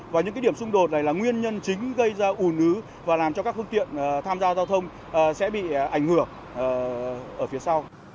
và những điểm xung đột này là nguyên nhân chính gây ra ủn ứ và làm cho các phương tiện tham gia giao thông sẽ bị ảnh hưởng ở phía sau